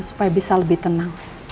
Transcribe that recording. supaya bisa lebih tenang